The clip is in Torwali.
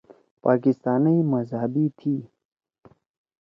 پاکستانئ مذہبی تھی۔